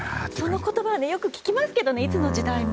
その言葉はよく聞きますけどねいつの時代も。